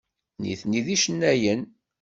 Nitni d icennayen.